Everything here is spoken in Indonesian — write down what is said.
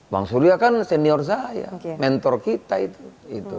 bang surya kan senior saya mentor kita itu